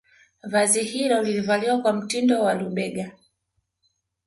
Vazi hilo lilivaliwa kwa mtindo wa lubega